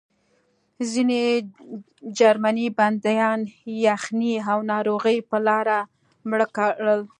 ځینې جرمني بندیان یخنۍ او ناروغۍ په لاره مړه کړل